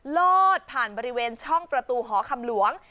ลอดผ่านบริเวณช่องประตูหอคำหลวง